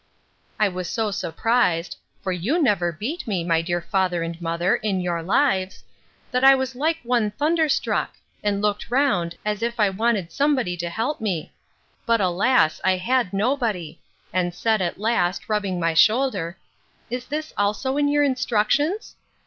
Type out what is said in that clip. I was so surprised, (for you never beat me, my dear father and mother, in your lives,) that I was like one thunder struck; and looked round, as if I wanted somebody to help me; but, alas! I had nobody; and said, at last, rubbing my shoulder, Is this also in your instructions?